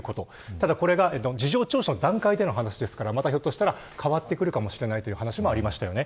ただこれは事情聴取の段階での話ですのでこれが変わってくるかもしれないという話もありました。